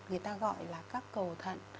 người ta gọi là các cầu thận